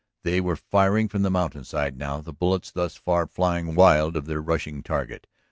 They were firing from the mountainside now, the bullets thus far flying wild of their rushing target.